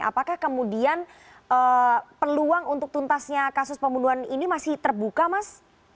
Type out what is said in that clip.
apakah kemudian peluang untuk tuntasnya kasus pembunuhan ini masih terbuka mas